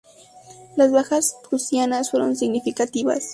Las bajas prusianas fueron significativas.